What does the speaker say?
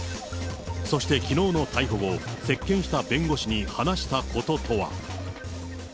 そしてきのうの逮捕後、接見した弁護士に話したこととは。